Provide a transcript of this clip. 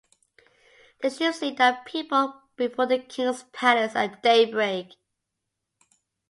The chiefs lead their people before the king's palace at daybreak.